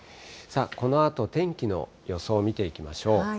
このあと、天気の予想を見ていきましょう。